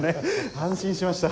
安心しました。